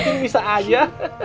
mungkin bisa aja